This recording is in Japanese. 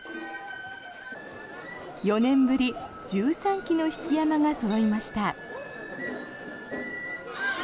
４年ぶり、１３基の曳山がそろいました。